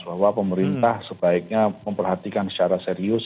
bahwa pemerintah sebaiknya memperhatikan secara serius